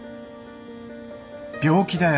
病気だよ。